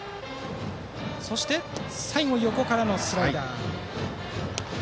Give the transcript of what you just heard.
そして最後は横からのスライダー。